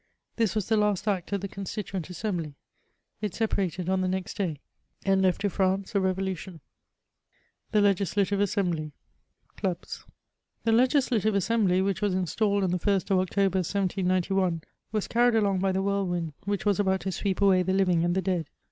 This waa the last act of the Constituent Assembly ; it separated on the next day, and left to France a Bevohztion* THE X1E6ZBLAXITE ASBSMBLT— diirBSL The Legislative Asoembly, which was installed on the 1st of October, 1791, was earned along by the whiiiwmd which was about to sweep away the living and the dead.